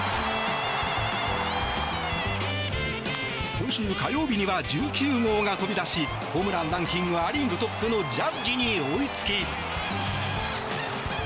今週火曜日には１９号が飛び出しホームランランキングア・リーグトップのジャッジに追いつき。